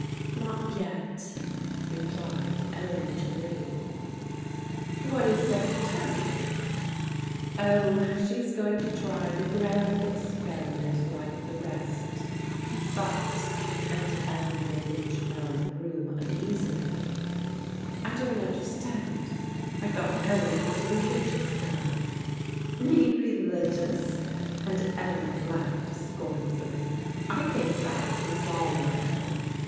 " Not yet," replied Ellen Chellew. " What is there to tell ?"" Oh, she's going to try the grand experiment like the rest" 216 PRODIGAL DAUGHTERS "But, and Eleanor looked round the room uneasily, *'I don't understand. I thought Ellen was a religious girl" " Me religious I " and Ellen laughed scornfully. " I gave that up long ago."